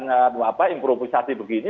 dan improvisasi begini